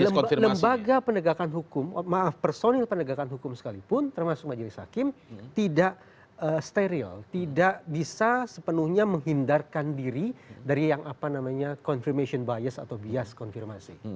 lembaga penegakan hukum maaf personil penegakan hukum sekalipun termasuk majelis hakim tidak steril tidak bisa sepenuhnya menghindarkan diri dari yang apa namanya confirmation bias atau bias konfirmasi